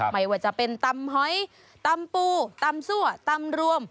ไม่ว่าจะเป็นตำหอยตำปูตำซั่วตำรวม